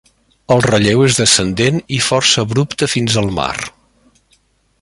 El relleu és descendent i força abrupte fins al mar.